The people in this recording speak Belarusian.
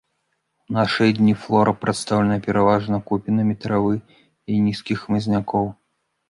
У нашы дні флора прадстаўлена пераважна купінамі травы і нізкіх хмызнякоў.